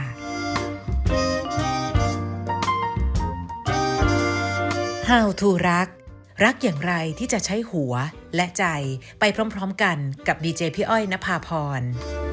โปรดติดตามตอนต่อไป